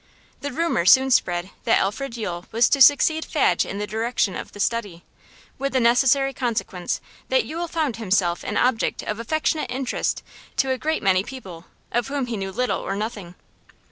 The rumour soon spread that Alfred Yule was to succeed Fadge in the direction of The Study, with the necessary consequence that Yule found himself an object of affectionate interest to a great many people of whom he knew little or nothing.